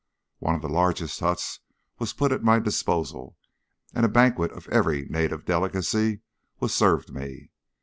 One of the largest huts was put at my disposal, and a banquet of every native delicacy was served me.